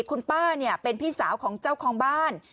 คุณป้าเป็นพี่สาวของเจ้าของบ้าน